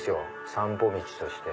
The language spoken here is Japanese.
散歩道として。